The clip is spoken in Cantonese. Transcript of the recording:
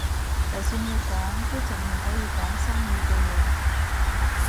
就算要講，都淨係可以講生意嘅嘢